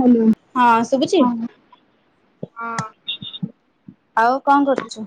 Hello ହଁ ଶୁଭୁଛି? ହଁ ହଁ। ଆଉ କଣ କରୁଛୁ?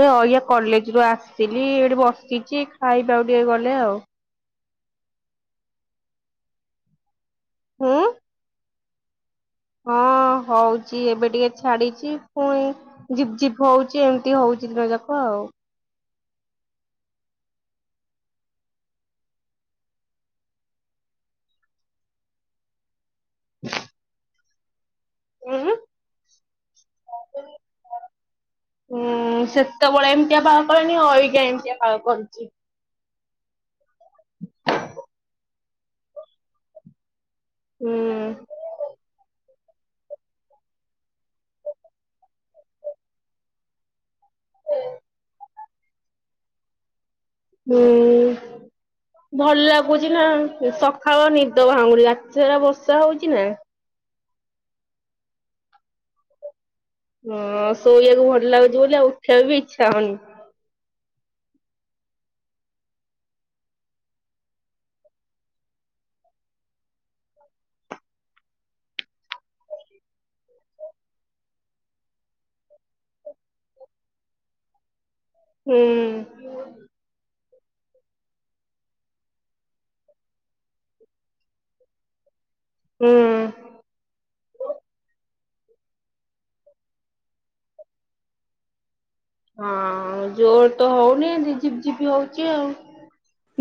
ଏଆ କଲେଜରୁୁ ଆସି ଆସିଲି ଏଇଠି ବସିଚି, ଖାଇବା ଆଉ ଟିକେ ଗଲେ ଆଉ। ହୁଁ। ହଁ। ହଁ ହୋଉଚି ଏବେ ଟିକେ ଛାଡିଚି ପୁଣି ଜିପଝିପ ହୋଉଚି ଏମିତି ହୋଉଚି ଦିନ ଯାକଉ ହୋଉ। ଉଁ [inaudible] ହୁଁ ସେତେବେଳେ ଏମିତିଆ ବାହା କନି ଅଜ୍ଞା ଏମିତିଆ ବାହା କରିଚି। ହୁଁ। ହଁ। ହୁଁ। ଭଲ ଲାଗୁଚି ନା ସକାଳ ନିଦ ଭାଙ୍ଗୁନା ରାତି ସାରା ବର୍ଷା ହୋଉଚି ନା। ହଁ ଶୋଇବାକୁ ଭଲ ଲାଗୁଚି ବୋଲି ଆଉ ଉଠାଇବା ବି ଇଚ୍ଛା ହୋଉନି। ହୁଁ। ହୁଁ ହଁ ଆ ଜୋର ତ ହୋଉନି ଝିପିଝିପି ହୋଉଚି ଆଉ।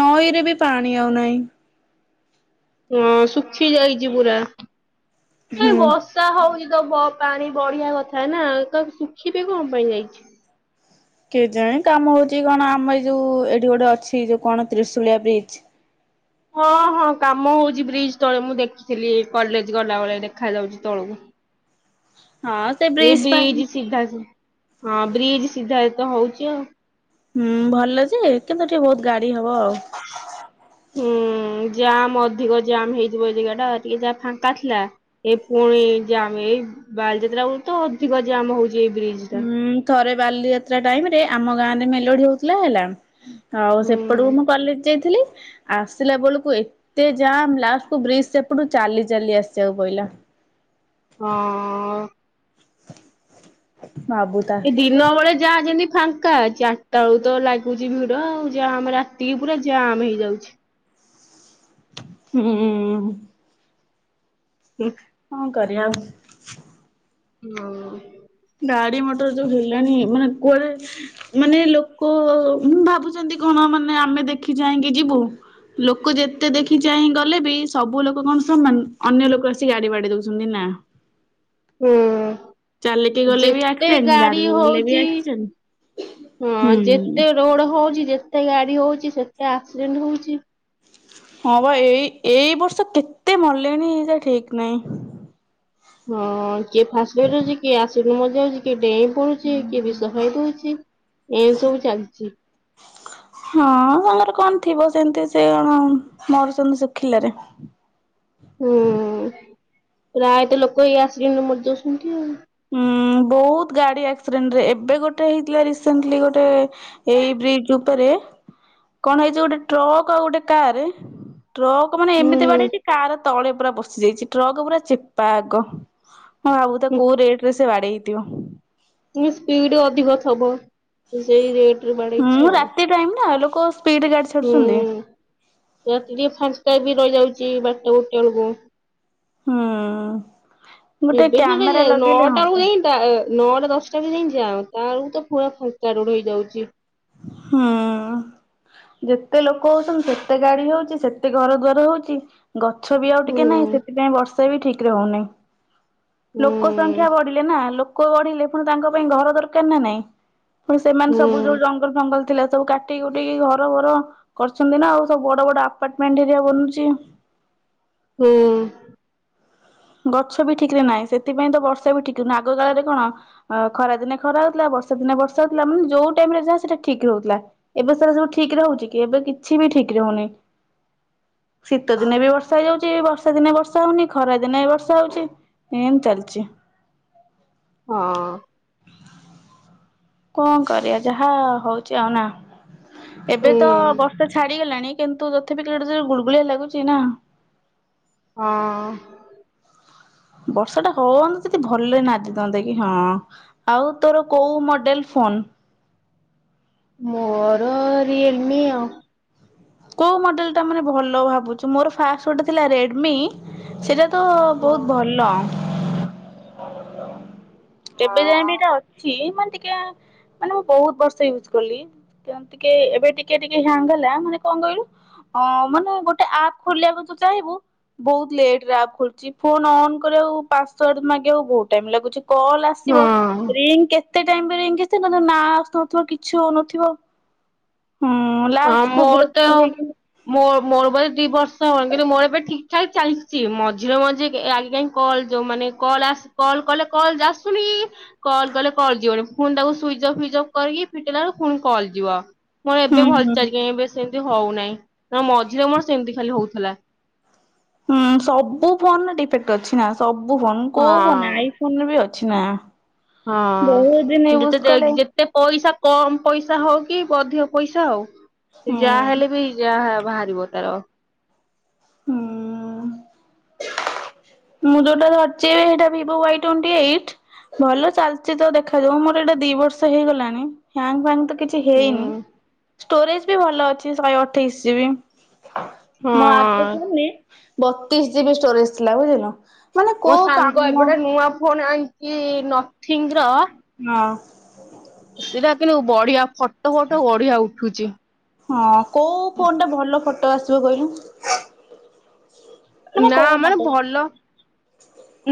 ନଈ ରେ ବି ପାଣି ଆଉନାହିଁ। ହଁ ଶୁଖି ଯାଇଛି ପୁରା, ହୁଁ। ବର୍ଷା ହୋଉ ତ ପାଣି ବଢିଆ କଥା ନା ତ ଶୁଖିବେ କଣ ପାଇଁ ଯାଇଚି? କେ ଜାଣି କାମ ହୋଉଚି କଣ ଆମ ଏଇ ଯୋଉ ଏଠି ଗୋଟେ ଅଛି ଯୋଉ କଣ ତ୍ରିଶୁଳିଆ ବ୍ରିଜ ହ ହଁ ହଁ କାମ ହୋଉ ବ୍ରିଜ ତଳେ ମୁଁ ଦେଖିଥିଲି କଲେଜ ଗଲା ବେଳେ ଦେଖା ଯାଉଚି ତଳକୁ। ସେ ବ୍ରିଜ ସିଧା ହଁ ବ୍ରିଜ ଟା ତ ହୋଉଚି ଆଉ। ହୁଁ ଭଲ ଅଛି କିନ୍ତୁ ଟିକେ ବୋହୁତ ଗାଡି ହବ ଆଉ। ଜମ୍ ଅଧିକ ଜାମ୍ ହେଇଯିବ ଏଇ ଜାଗା ଟା ଟିକେ ଯାହା ଫାଙ୍କା ଥିଲା ଏ ପୁଣି ଜମ୍ ଏଇ ବାଲିଯାତ୍ରା ବେଳୁ ତ ଅଧିକ ଯ ଆମ ହୋଉଚି। ହଁ ଥରେ ବାଲିଯାତ୍ରା ଟାଇମ ରେ ଆମ ଗାଁ ରେ ମେଲୋଡି ହୋଉଥିଲା ହେଲା। ଆଉ ହୁଁ। ସେପଟକୁ ମୁଁ କଲେଜ ଯାଇଥିଲି। ଆସିଲା ବେଳକୁ ଏତେ ଜାମ୍ ଲାଷ୍ଟକୁ ବ୍ରିଜ ସେପଟୁ ଚାଲି ଚାଲି ଆସିବାକୁ ପହିଲା। ହଁ। ଭାବୁ ତା ଏ ଦିନ ବେଳେ ଯାହା ଯେମିତି ଫା ଚାରିଟା ବେଳୁ ତ ଲାଗୁଛି ଭିଡ ଆଉ ଜାମ ରାତିକି ପୁରା ଜାମ୍ ହେଇଯାଉଛି। ହୁଁ। ହୁଁ। କଣ କରିଆ ଆଉ। ହଁ। ଗାଡି ମଟର ଯୋଉ ହେଲାଣି ମାନେ କୁଆଡେ ମାନେ ଲୋକ ଭାବୁଛନ୍ତି କଣ? ମାନେ ଆମେ ଦେଖି ଚାଇଁକି ଯିବୁ ଲୋକ ଯେତେ ଦେଖି ଚାହିଁ ଗଲେ ବି ସବୁ ଲୋକ କଣ ସମାନ ଅନ୍ୟ ଲୋକ ଆସିିକ ଗାଡି ବାଡି ଦଉଛନ୍ତି ନା। ହ ହୁଁ ବି ଯେତେ ଆକ୍ସିଡେଣ୍ଟ ଗାଡି ଗାଡିରେ ଗଲେ ବି ହଉଛି ଆକ୍ସିଡେଣ୍ଟ ହୁଁ। ହଁ ଯେତେ ରୋଡ ହଉଛି ଯେତେ ଗାଡି ହଉଛି ସେତେ ଆକ୍ସିଡେଣ୍ଟ ହଉଛି। ହଁ ବା ଏଇ ଏଇ ବର୍ଷ କେତେ ମଲେଣି ଏଇ ଯା ଠିକ ନାହିଁ। ହଁ କିଏ ଫାଷ୍ଟ ଅଛି କିଏ ଆସିଲୁ ମଜା ହଉଛି କି ଡେଇଁ ପଡୁଛି କି ଏ ବିଷ ଖାଇ ଦଉଛି ଏ ସବୁ ଚାଲିଛି। [inaudible] ହଁ ତାଙ୍କର କଣ ଥିବ ସେମିତି ସେ କଣ ମରୁଛନ୍ତି ଶୁଖିଲାରେ। ହୁଁ ପ୍ରାୟତ ଲୋକ ଇ ଆସିଲେଣି ମର ଦଉଛନ୍ତି ଆଉ। ହୁଁ। ବହୁତ ଗାଡି ଆକ୍ସିଡେଣ୍ଟ ରେ ଏବେ ଗୋଟେ ହେଇଥିଲା ରିସେଣ୍ଟଲି ଗୋଟେ ଏଇ ବ୍ରିଜ ଉପରେ କଣ ହେଇଛି ଗୋଟେ ଟ୍ରକ୍ ଆଉ ଗୋଟେ କାର ଟ୍ରକ୍ ମାନେ ଏମିତି ବାଡେଇଛି ହୁଁ। କାର ତଳେ ପୁରା ପସିି ଯାଇଛି ଟ୍ରକ୍ ପୁରା ଚେପା ଆଗ। ହଁ ଭାବୁ ତା କୋଉ ରେଟ ରେ ସେ ବାଡେଇ ସ୍ପିଡ ହୋଇଥିବ। ଅଧିକ ଥବ ସେଇ ରେଟରେ ବାଡେଇଛି ହୁଁ ଆଉ। ରାତି ଟାଇମ ନା ଲୋକ ସ୍ପିଡ ଗାଡି ହୁଁ ଛାଡୁଛନ୍ତି ରାତିରେ ଫା ଫା ବି ରହିଯାଉଛି ବାରଟା ଗୋଟେ ବେଳକୁ। ହୁଁ। ଗୋଟେ ଏବେ କ୍ୟାମେରା ଲଗେଇଲେ ନୋଟ ହନ୍ତା ନଟ। ଦଶଟା ବ ଯଁ ଯାଅ ତ ବଳକୁ ତ ପୁରା ଫାଙ୍କା ରୋଡ ହେଇଯାଉଛି। ହଁ। ଯେତେ ଲୋକ ହଉଛନ୍ତି ସେତେ ଗାଡି ହଉଛି ସେତେ ଘର ଦ୍ୱାର ହଉଛି। ଗଛ ବି ଆଉ ହୁଁ ଟିକେ ନାହିଁ ସେଥିପାଇଁ ବର୍ଷା ବି ଠିକ ରେ ହଉନହିଁ। ହୁଁ ଲୋକ ସଂଖ୍ୟା ବଢିଲେ ନା ଲୋକ ବଢିଲେ ପୁଣି ତାଙ୍କ ପାଇଁ ଘର ଦରକାର ନା ନାଇଁ। ସେମାନେ ହୁଁ ସବୁ ଯୋଉ ଜଙ୍ଗଲ ଫଙ୍ଗଲ ଥିଲା ସବୁ କାଟିକି କୁଟିକି ଘର ବର କରୁଛନ୍ତି ନା ଆଉ ସବୁ ବଡ ବଡ ଆପାର୍ଟମେଣ୍ଟ ଏରିଆ ବନୁଛି। ହ ହୁଁ। ଗଛ ବି ଠିକ ରେ ନାହିଁ ସେଥିପାଇଁ ତ ବର୍ଷା ବି ଠିକ ହହୁନ ଆଗ କାଳରେ କଣ ଖରାଦିନେ ଖରା ହଉଥିଲା ବର୍ଷା ଦିନ ବର୍ଷାଉଥିଲା ମାନେ ଯଉ ଟାଇମରେ ଯାହା ସେଟା ଠିକ ରହୁଥିଲା ଏବେ ସୋ ସବୁ ଠିକ ରେ ରହୁଛି କି ଏବେ କିଛି ବି ଠିକ୍ ଠିକ ରହୁନି ଶୀତ ଦିନେ ବି ବର୍ଷା ହେଇଯାଉଛି ବର୍ଷା ଦିନେ ବର୍ଷା ହଉନି ଖରା ଦିନ ଦିନ ଏ ବର୍ଷା ହଉଛି ଏ ଏମତି ଚାଲିଛି। ହଁ। କଣ କରିବା ଯାହା ହଉଛି ଆଉ ନା ଏବେ ହୁଁ ତ ବର୍ଷା ଛାଡିଗଲାଣି। କିନ୍ତୁ ତଥେପି କିଟ ଗୁଳଗୁଳିଆ ଲାଗୁଛି ନା। ହଁ। ବର୍ଷା ଟା ହଅନ୍ତ ଯଦି ଭଲରେ ନାଚିଥାନ୍ତେ କି ହଁ ଆଉ ତୋର କୋଉ ମଡେଲ? ଫୋନ୍। ମୋର ରୟଲମି ଆଉ। କୋଉ ମଡେଲ ଟା ମାନେ ଭଲ ଭାବୁଛୁ ମୋର ଫାଷ୍ଟ ଗୋଟେ ଥିଲା ରେଡମି ସେଟା ତ ବହୁତ ଭଲ। ଏବେ ହଁ ଯାଏଁ ବି ଏଟା ଅଛି ମାନ ଟିକେ ମାନେ ମୁଁ ବୋହୁତ ବର୍ଷ ୟୁଜ କଲି କେମତି କି ଏବେ ଟିକେ ଟିକେ ହ୍ୟାଙ୍ଗ ହେଲା ମାନେ କଣ କହିଲୁ ଅ ମାନେ ଗୋଟେ ଆପ ଖୋଲିବାକୁ ତୁ ଚାହିଁବୁ ବୋହୁତ ଲେଟରେ ଆପ ଖୋଲୁଚି ଫୋନ୍ ଅନ୍ କରିବାକୁ ପାସୱାର୍ଡ୍ ମାଗିଆକୁ ବୋହୁତ ଟାଇମ୍ ଲାଗୁଚି। କଲ୍ ଆସିବ ହଁ ରିଙ୍ଗ୍ କେ କେତେ ଟାଇମ ପରେ ଯାଇଁକି ଆସଥିବ ନା ତମର ନାଁ ଆସୁନଥିବ କିଛି ହୋଉନଥିବ। ହୁଁ ହଁ ଲାଷ୍ଟ୍ କୁ ବି ମୋର ରଖ୍ ତ ମୋ ମୋର ବୋ ଏ ଦିବର୍ଷ କିନ୍ତୁ ମୋର ଏବେ ଠିକ୍ ଠାକ୍ ଚାଲଚି ମ ଝିିଅ ମଞ୍ଜିକି ଏ ଆଗେ କାଇଁ କଲ୍ ଯୋଉ ମାନେ କଲ ଆସ୍ କଲ କଲେ କଲ ଯା ଆସୁନି। କଲ୍ କଲେ କଲ ଯିବନି ଫୁଣି ତାକୁ ସୁଇଚ୍ ଅଫ୍ ଫୁଇଜ୍ ଅଫ୍ କରିକି ଫିଟେଇଲା ଏଳକୁ ଫୁଣି କଲ୍ ଯିବ। ମୋର ଏବେ ହୁଁ ଭଲ ହୁଁ ଚାଲିଚି କାଇଁ ଏବେ ସେମ୍ ଏ ହୋଉନାହିଁ ନା ମଝିରେ ମୋର ସେମିତି ଖାଲି ହୋଉଥିଲା। ହଁ ସବୁ ଫୋନର ଡିଫେକ୍ଟ ଅଛି ନା ସବୁ ଫୋନ କୋଉ ଫୋନ ନା ହଁ ଆଇ ଫୋନରେ ବି ଅ ଛି ନାଁ। ହଁ ଯେତେ ଦେଖ ଯେତେ ପଇସା କମ୍ ପଇସା ହୋଉ କି ବ ଅଧିକ ପଇସା ହୋଉ ସେ ହୁଁ ଯାହା ହେଲେ ବି ଯାହା ବାହାରିବ ତାର ହୁଁ ଉଁ। ମୁଁ ଯୋଉଟା ଧରଚି ହେଇଟା ଭିବୋ ୱାଇ ଟ୍ବେଣ୍ଟି ଏଇଟ୍। ନହଲେ ଚାଲଚି ତ ଦେଖାଯାଉ ମୋର ଏଇଟା ଦିବର୍ଷ ହେଇଗଲାଣି ହ୍ୟାଙ୍ଗ୍ ଫ୍ୟାଙ୍ଗ୍ ତ କିଛି ହେଇନି ଉଁ ଷ୍ଟୋରେଜ୍ ବି ଭଲ ଅଛି ଶହେ ଅଠେଇଶ ଜିବି। ମୋ ଆପରେ ହଁ ଖାଲି ବତିଶ୍ ଜିବି ଷ୍ଟୋରେଜ୍ ଥିଲା ବୁଝିଲ। ମୋ ସାଙ୍ଗ ଏବେ ଗୋଟେ ନୂଆ ଫୋନ ଆଣିଚି ନଥିଙ୍ଗର। ସେଟା କିନ୍ତୁ ବଢିଆ ଫଟୋ ଫଟୋ ବଢିଆ ଉଠୁଚି। ହଁ କୋଉ ଫୋନଟା ଭଲ ଫଟୋ ଆସିବ କହିଲୁ? କୋଉ ନାଁ ମାନେ ମଡେଲ? ଭଲ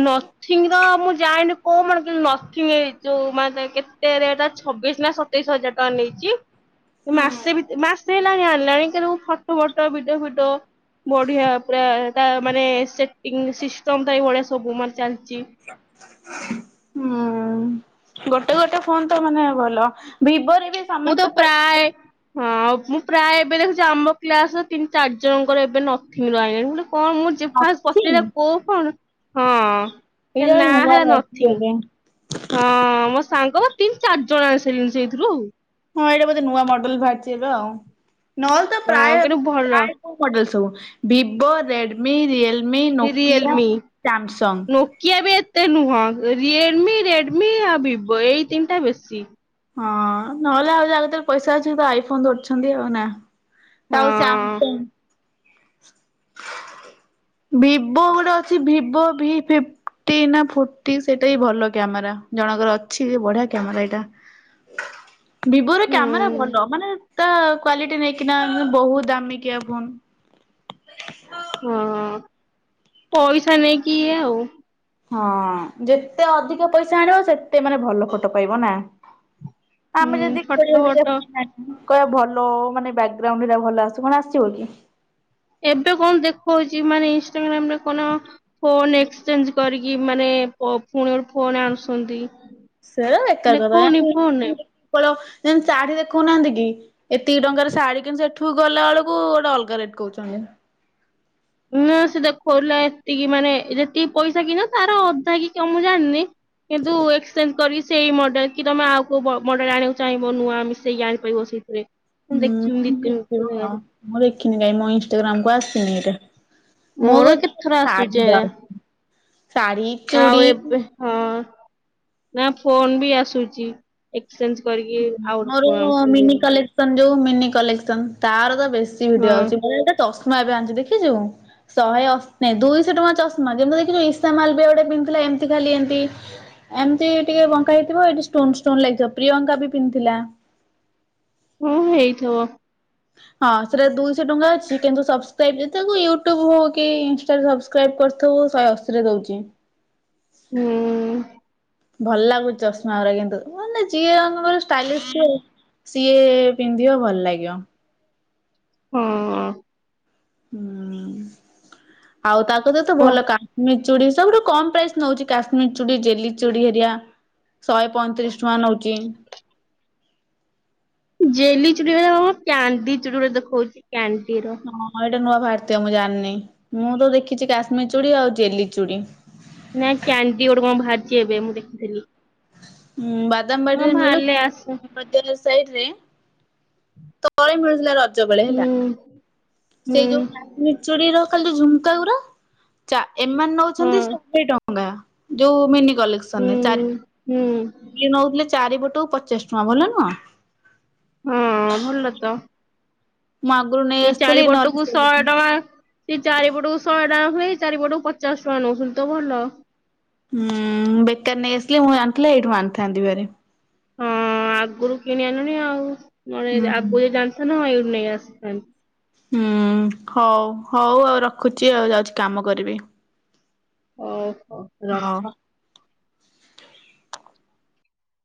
ନଥିଙ୍ଗର ଆମ ଯାଏନି କୋଉ ମାନେ କି ନଥିଙ୍ଗି ଯୋଉ ମାନେ କେତେ ରେଟ ଛବିଶ ନା ସତେଇଶ ହଜାର ଟଙ୍କା ନେଇଚି। ମାସେ ଭିତ୍ ମାସେ ହେଲାଣି ଆଣିଲାଣି କିନ୍ତୁ ମୁଁ ଫଟୋ ଫଟୋ ଭିଡିଓ ଫିଡିଓ ବଢିଆ ପୁରା ତା ମାନେ ସେଟିଂ ସିଷ୍ଟମଟା ବି ବଢିଆ ସବୁ ମାନେ ଚାଲ୍ ହୁଁ। ଗୋଟେ ଗୋଟେ ଫୋନ ତ ମାନେ ଭଲ ଭିବୋରେ ମୁଁ ତ ପ୍ରାୟେ ହଁ ଅପ୍ ମୁଁ ପ୍ରାୟେ ଏବେ ଦେଖୁଚି ଆମ କ୍ଲାସର ତିନି ଚାରି ଜଣଙ୍କର ଏବେ ନଥିଙ୍ଗର ଆଇଁଲେଣି ମୁଁ କଲେ କଣ ମୁଁ ଯେ ଫାସ୍ ପଚାରିଆ ଅଛି କୋଉ ଫୋନ୍ ହଁ। ତାର ଏଇଟା ନାଁ ନୂଆ ହେଲା ବାହାରିଛି ନଥିଙ୍ଗ। ଏବେ ହଁ ମୋ ସାଙ୍ଗ ପା ତିନ୍ ଚାରି ଜଣ ଆଣିସାଇଲେଣି ସେଇଥିରୁ। ହଁ ଏଇଟା ବୋଧେ ନୂଆ ମଡେଲ ଭାର୍ଚି ଏବେ ଆଉ ନହେଲେ ତ ହଁ ପ୍ରାୟେ କିନ୍ତୁ ଭଲ। ପ୍ରାୟେ କୋଉ ମଡେଲ ସବୁ? Vivo, Redmi, real Realme, Nokia ବି ଏତେ ନୁହଁ। ରିଏଲ୍ମି, ରେଡ୍ମି ଆଉ ଭିବୋ ଏଇ ତିନଟା ବେଶୀ। ହଁ ନହେଲେ ଆଉ ଯାହା କତିରେ ପଇସା ଅଛି ସେ ତ ଆଇ ଫୋନ ଧରୁଛନ୍ତି ଆଉ ନାଁ? ଆଉ ହଁ ଶସ୍ୟାମ୍ପିଂ। ଭିବୋ ଗୋଟେ ଅଛି ଭିବୋ ଭି ଫିପ୍ ପଟି ନା ଫୋଟି ସେଟା ବି ଭଲ କ୍ୟାମେରା ଜଣଙ୍କର ଅଛି ଯେ ବଢିଆ କ୍ୟାମେରା ଏଇଟା। ଭିବୋରେ ହୁଁ କ୍ୟାମେରା ଭଲ ମାନେ ତା କ୍ଵାଲିଟି ନେଇକିନା ମାନେ ବୋହୁତ୍ ଦାମିକିଆ ଫୋନ୍। ହଁ ପଇସା ନେଇକି ଇଏ ଆଉ। ହଁ ଯେତେ ଅଧିକା ପଇସା ଆଣିବ ସେତେ ମାନେ ଭଲ ଫଟୋ ପାଇବ ନା? ହୁଁ ଆମେ ଯଦି କୋଡିଏ ଫଟୋ ହଜାରିଆ ଫଟୋ ଫୋନ ଆଣନୁ କହ ଭଲ ହୋଉ ମାନେ ବ୍ୟାକଗ୍ରାଉଣ୍ଡ ହେରା ଭଲ ଆସ୍ କଣ ଆସିବ କି? ଏବେ କଣ ଦେଖଉଚି ମାନେ ଇନଷ୍ଟାଗ୍ରାମରେ କନ ଫୋନ ଏକ୍ସଚେଞ୍ଜ କରିକି ମାନେ ଏ ପ ଫୁଣି ଗୋଟ୍ ସେ ବେକାର କଥା। ଦେଖଉନି ଫୋନରେ [unintelligible] ଯେମିତି ଶାଢୀ ଦେଖଉନାହାନ୍ତି କି, ଏତିକି ଟଙ୍କାର ଶାଢୀ କିଣି ସେଠୁ ଗଲା ବେଳକୁ ଗୋଟେ ଅଲଗା ରେଟ କହୁଛନ୍ତି। [inaudible] ହୁଁ ସେ ଦେଖିଉଥିଲା ଏତିକି ମାନେ ଯେତିକି ପଇସା କି ନ ତାର ଅଧା କି ମୁଁ ଜାଣିନି କିନ୍ତୁ ଏକ୍ସଚେଞ୍ଜ କରିକି ସେଇ ମଡେଲ କି ତମେ ଆଉ କଉ ମଡେଲ ଆଣିବାକୁ ଚାହିଁବ ନୂଆ ମିଶେଇକି ଆଣିପାରିବ ସେଇଥିରେ। ମୁଁ ହୁଁ ଦେଖିନି ଦି ତିନି ଦେଖିବ। ଜାଗାରେ ମୁଁ ଦେଖିନି କାଇଁ ମୋ ଇନଷ୍ଟାଗ୍ରାମ କୁ ଆସିନି ଏଟା। ମୋର କେତେ ଥର ଆସୁଚେ ଶାଢୀ ଆଉ ଚୁଡ଼ି ଏବେ ହଁ। ନାଇଁ ଫୋନ ବି ଆସୁଚି। ଏକ୍ସଚେଞ୍ଜ କରିକି ଆଉ। ମୋର ମିନି [unintelligible] କଲେକ୍ସନ ଯୋଉ ମିନି କଲେକ୍ସନ ତାର ତ ବେଶୀ ଭିଡିଓ ହଁ। ଅଛି। ମୁଁ ଗୋଟେ ଚଷମା ଏବେ ଆଣିଚି ଦେଖିଚୁ। ଶହେ ଅଶି ନାହିଁ ଦୁଇଶହ ଟଙ୍କା ଚଷମା ଯେମିତି ଦେଖିଛୁ ଇସା ମାଲ ବି ଗୋଟେ ପିନ୍ଧିଥିଲା ଏମିତି ଖାଲି ଏମିତି ଏମିତି ଟିକେ ବଙ୍କା ହେଇଥିବ, ଏଇଠି ଷ୍ଟୋନ ଷ୍ଟୋନ ଲାଗିଥିବ, ପ୍ରିୟଙ୍କା ବି ପିନ୍ଧିଥିଲା। ହୁଁ ହେଇଥିବ। ହଁ ସେଟା ଦୁଇଶହ ଟଙ୍କା ଅଛି। କିନ୍ତୁ ସବସ୍କ୍ରାଇବ ଯେ ତାକୁ ୟୁଟ୍ୟୁବ ହଉ କି ଇନଷ୍ଟା ରେ ସବସ୍କ୍ରାଇବ କରିଥିବୁ, ଶହେ ଅଶି ରେ ଦଉଛି। ହୁଁ। ଭଲ ଲାଗୁଛି ଚଷମା ଗୁରା କିନ୍ତୁ ମାନେ ଝିଏ [unintelligible] ଷ୍ଟାଇଲିଶ ଥିବୁ ସିଏ ପିନ୍ଧିବ ଭଲ ଲାଗିବ। ହଁ। ହୁଁ। ଆଉ ତାକୁ ତ ତ ଓହ ଭଲ କାଶ୍ମୀର ଚୁଡ଼ି ବି ସବୁଠୁ କମ ପ୍ରାଇସ୍ ନଉଛି କାଶ୍ମୀର ଚୁଡ଼ି ଜେଲି ଚୁଡି ହେରିଆ। ଶହେ ପଇଁତିରିଶ ଟଙ୍କା ନଉଚି। ଜେଲିଚୁଡ଼ି ଗୁଡା କଣ କ୍ୟାଣ୍ଡି ଚୁଡ଼ି ପରି ଦେଖଉଛି। କ୍ୟାଣ୍ଡି ର ବାହାରିଥିବ ମୁଁ ଜାଣିନି। ମୁଁ ତ ଦେଖିଛି କାଶ୍ମୀର ଚୁଡ଼ି ଆଉ ଜେଲି ଚୁଡ଼ି। ନାଇଁ କ୍ୟାଣ୍ଡି ଗୋଟେ କଣ ବାହାରିଚି ଏବେ ମୁଁ ଦେଖିଥିଲି। ହୁଁ ହଁ ବାଦାମବାଡିରେ ମିଳୁ ବାହାରିଲେ ଆସେ। [unintelligible] ସାଇଟ୍ ରେ ତଳେ ମିଳୁଥିଲା ରଜ ବେଳେ ହେଲା। ହୁଁ ହୁଁ ସେଇ ଯୋଉ କାଶ୍ମୀର ଚୁଡ଼ି ରୁ ଖାଲି ଝୁମକା ଗୁରା। ଏମାନେ ହଁ ନଉଛନ୍ତି ଶହେ ଟଙ୍କା। ଯୋଉ ମିନି କଲେକ୍ସନ ରେ ହୁଁ। ଚାରି ହୁଁ ଇଏ ନଉଥିଲେ ଚାରିପଟକୁ ପଚାଶ ଟଙ୍କା ଭଲ ନୁହଁ। ହୁଁ ଭଲ ତ। ମୁଁ ଆଗରୁ ନେଇ ଇଏ ଆସିଥିଲି ଚାରିପଟ କୁ ଶହେ ନହେଲେ ଟଙ୍କା। ସିଏ ଚାରିପଟକୁ ଶହେ ଟଙ୍କା ହୁଏ, ଚାରିପଟକୁ ପଚାଶ ଟଙ୍କା ନଉଛନ୍ତି ତ ଭଲ। ହୁଁ, ବେକାର ନେଇ ଆସିଲି, ମୁଁ ଜାଣିଥିଲେ ଏଇଠୁ ଆଣିଥାନ୍ତି ଭାରି। ହଁ ଆଗରୁ କିଣି ଆଣିଲୁଣି ଆଉ। ଆଗରୁ ହୁଁ ଯଦି ଜାଣିଥାନ୍ତୁ ମୁଁ ଏଇ ନେଇ ଆସିଥାନ୍ତି। ହୁଁ ହଉ, ହଉ ଆଉ ରଖୁଛି ଆଉ। ଯାଉଛି କାମ କରିବି। ଓହୋ ହଉ। ରଖ।